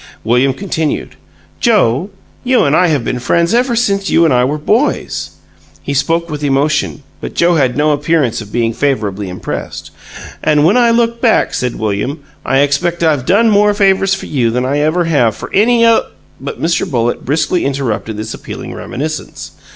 William continued: "Joe, you and I have been friends ever since you and I were boys." He spoke with emotion, but Joe had no appearance of being favorably impressed. "And when I look back," said William, "I expect I've done more favors for you than I ever have for any oth " But Mr. Bullitt briskly interrupted this appealing reminiscence.